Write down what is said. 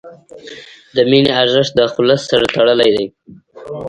د مینې ارزښت د خلوص سره تړلی دی.